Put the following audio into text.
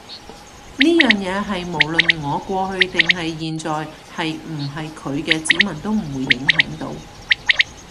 呢樣嘢係無論我過去定係現在係唔係佢嘅子民都唔會影響到